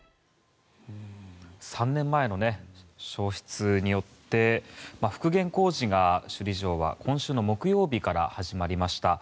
３年前の焼失によって復元工事が首里城は今週の木曜日から始まりました。